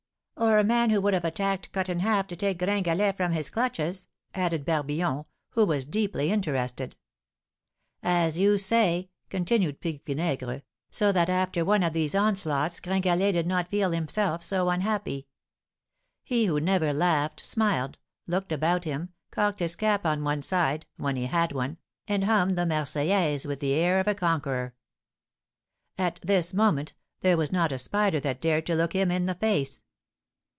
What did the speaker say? "Or a man who would have attacked Cut in Half to take Gringalet from his clutches," added Barbillon, who was deeply interested. "As you say," continued Pique Vinaigre; "so that after one of these onslaughts Gringalet did not feel himself so unhappy. He who never laughed, smiled, looked about him, cocked his cap on one side (when he had one), and hummed the 'Marseillaise' with the air of a conqueror. At this moment, there was not a spider that dared to look him in the face.